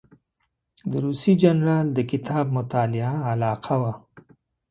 د روسي جنرال د کتاب مطالعه علاقه وه.